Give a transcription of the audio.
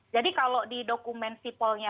jadi kalau di dokumen sipolnya